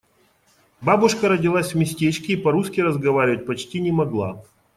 Бабушка родилась в местечке и по-русски разговаривать почти не могла.